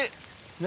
何？